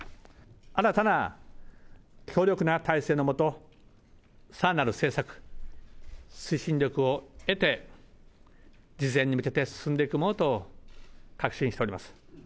新たな強力な体制の下、さらなる政策推進力を得て、実現に向けて進んでいくものと確信しております。